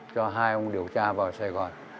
cho hai ông điều tra vào sài gòn